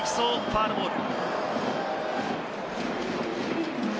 ファウルボール。